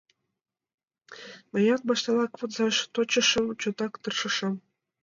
Мыят моштенак возаш тӧчышым, чотак тыршышым.